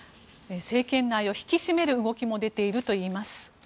政権内を引き締める動きも出ているといいます。